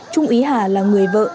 trung ý hà là người vợ